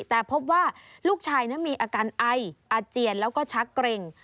แต่พบว่าลูกชายนั้นมีอาการไออาเจียนแล้วก็ชักเกร็ง